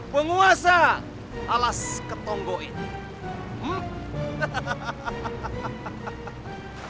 penguasa alas ketonggo ini